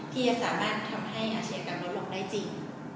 ที่จะสามารถทำให้อาชีกรรมลดลงได้จริง